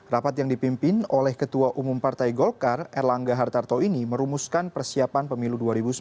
rapat yang dipimpin oleh ketua umum partai golkar erlangga hartarto ini merumuskan persiapan pemilu dua ribu sembilan belas